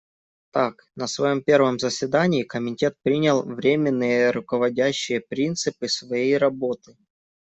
Так, на своем первом заседании Комитет принял временные руководящие принципы своей работы.